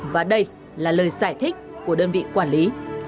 và đây là lời giải thích của đơn vị quản lý